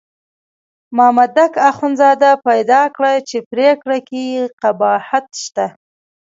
مامدک اخندزاده پیدا کړه چې پرېکړه کې قباحت شته.